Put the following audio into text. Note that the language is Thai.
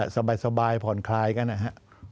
สบายผ่อนคลายกันนะฮะ